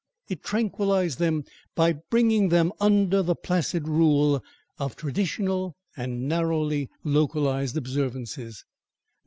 It tranquillised them by bringing them under the placid rule of traditional and narrowly localised observances.